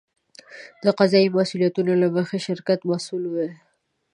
د قضایي مسوولیتونو له مخې شرکت مسوول دی.